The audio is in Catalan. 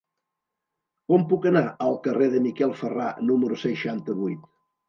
Com puc anar al carrer de Miquel Ferrà número seixanta-vuit?